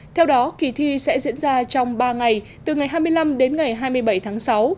theo đó kỳ thi sẽ diễn ra trong ba ngày từ ngày hai mươi năm đến ngày hai mươi bảy tháng sáu